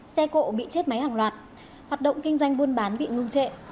xe cộ bị chết máy hàng loạt hoạt động kinh doanh buôn bán bị ngưng trệ